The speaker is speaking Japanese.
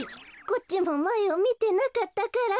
こっちもまえをみてなかったから。